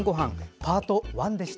パート１でした。